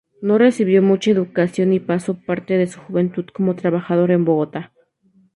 No recibió mucha educación y pasó parte de su juventud como trabajador en Bogotá.